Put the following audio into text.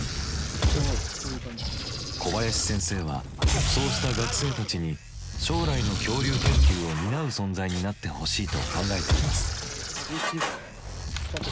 小林先生はそうした学生たちに将来の恐竜研究を担う存在になってほしいと考えています。